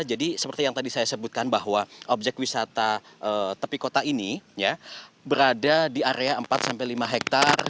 jadi seperti yang tadi saya sebutkan bahwa objek wisata tepi kota ini berada di area empat sampai lima hektare